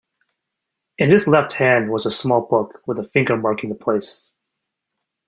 In his left hand was a small book with a finger marking the place.